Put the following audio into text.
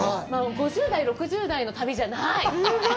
５０代、６０代の旅じゃない。